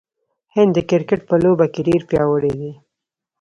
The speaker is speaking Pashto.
هند د کرکټ په لوبه کې ډیر پیاوړی دی.